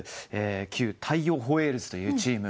旧大洋ホエールズというチーム。